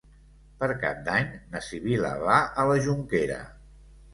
Per Cap d'Any na Sibil·la va a la Jonquera.